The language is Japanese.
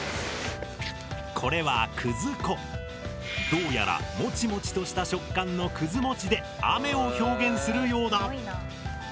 どうやらもちもちとした食感のくず餅で雨を表現するようだ。